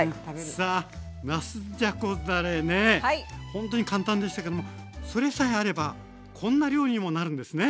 ほんとに簡単でしたけどもそれさえあればこんな料理にもなるんですね。